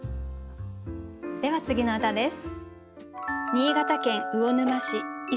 では次の歌です。